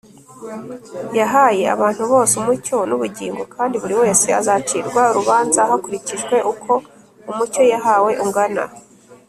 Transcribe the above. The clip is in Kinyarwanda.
Yahaye abantu bose umucyo n’ubugingo, kandi buri wese azacirwa urubanza hakurikijwe uko umucyo yahawe ungana